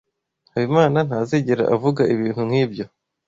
Habimana ntazigera avuga ibintu nkibyo.